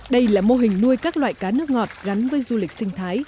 đây là mô hình nuôi các loại cá nước ngọt gắn với du lịch sinh thái